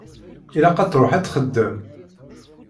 Ilaq ad truḥ ad texdem.